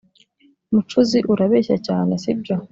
mucuzi urabeshya cyane sibyo